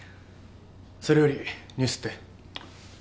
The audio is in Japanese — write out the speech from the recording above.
それよりニュースって？